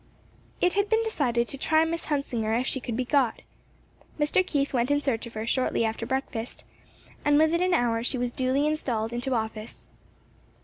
It had been decided to try Miss Hunsinger if she could be got. Mr. Keith went in search of her shortly after breakfast, and within an hour she was duly installed into office.